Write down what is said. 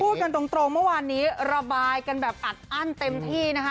กันตรงเมื่อวานนี้ระบายกันแบบอัดอั้นเต็มที่นะคะ